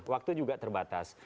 waktu juga terbatas